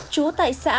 chú tại xã